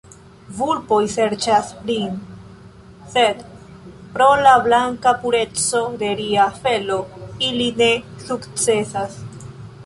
Vulpoj serĉas rin, sed pro la blanka pureco de ria felo, ili ne sukcesas.